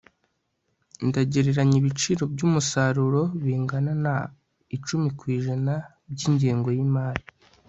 ndagereranya ibiciro byumusaruro bingana na icumi ku ijana byingengo yimari